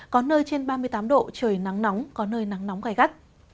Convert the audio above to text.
có nơi trên ba mươi tám độ trời nắng nóng có nơi nắng nóng gai gắt